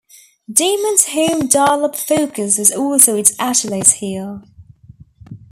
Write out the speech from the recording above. Demon's home-dialup focus was also its Achilles heel.